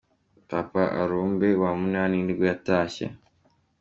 Papa arumbe wa munani nibwo yatashye.